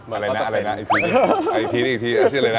อะไรนะอีกทีเอาชื่อเลยนะ